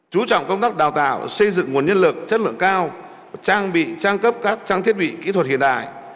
chú trọng công tác đào tạo xây dựng nguồn nhân lực chất lượng cao trang bị trang cấp các trang thiết bị kỹ thuật hiện đại